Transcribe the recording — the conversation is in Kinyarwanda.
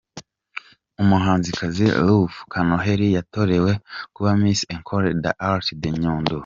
Umuhanzikazi Ruth Kanoheli yatorewe kuba Miss Ecole d'Art de Nyundo.